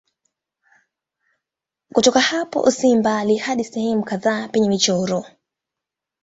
Kutoka hapo si mbali hadi sehemu kadhaa penye michoro.